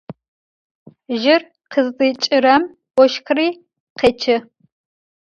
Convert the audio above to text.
Jır khızdiç'ırem voşxri khêç'ı.